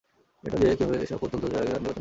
এন্টন যে কিভাবে এসব প্রত্যন্ত জায়গা নির্বাচন করে।